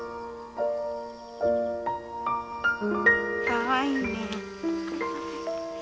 かわいいね。